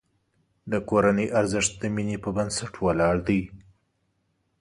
د کورنۍ ارزښت د مینې په بنسټ ولاړ دی.